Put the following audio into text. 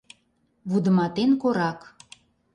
— вудыматен корак.